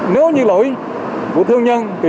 nếu như lỗi của thương nhân